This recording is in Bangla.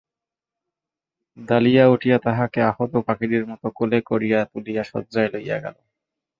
দালিয়া উঠিয়া তাহাকে আহত পাখিটির মতো কোলে করিয়া তুলিয়া শয্যায় লইয়া গেল।